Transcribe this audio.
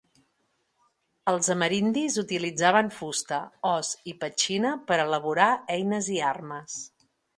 Els amerindis utilitzaven fusta, os i petxina per elaborar eines i armes.